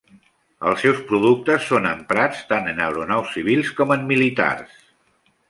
Els seus productes són emprats tant en aeronaus civils com en militars.